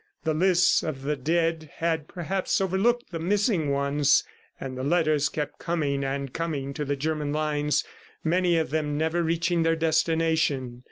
The lists of the dead had, perhaps, overlooked the missing ones; and the letters kept coming and coming to the German lines, many of them never reaching their destination.